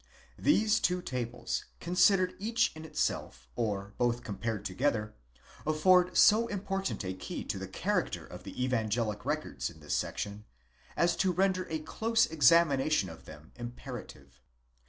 These two tables, considered each in itself, or both compared together, afford so important a key to the character of the evangelic records in this section, as to render a close examination of them imperative.